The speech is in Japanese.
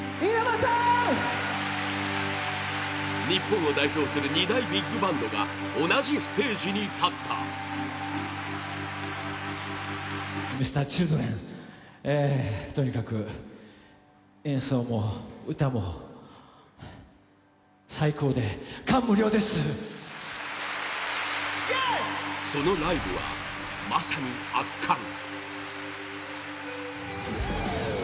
日本を代表する２大ビッグバンドが同じステージに立ったそのライブは、まさに圧巻！